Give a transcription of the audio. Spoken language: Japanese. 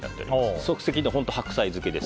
即席の白菜漬けです。